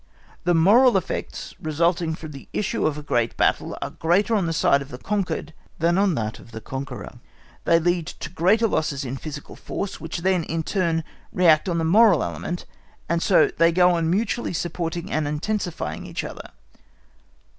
The moral effects resulting from the issue of a great battle are greater on the side of the conquered than on that of the conqueror: they lead to greater losses in physical force, which then in turn react on the moral element, and so they go on mutually supporting and intensifying each other.